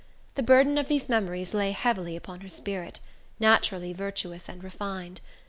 The burden of these memories lay heavily upon her spirit—naturally virtuous and refined.